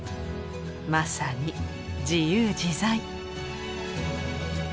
まさに自由自在。